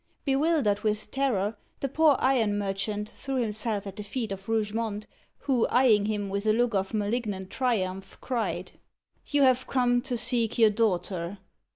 Bewildered with terror, the poor iron merchant threw himself at the feet of Rougemont, who, eyeing him with a look of malignant triumph, cried "You have come to seek your daughter.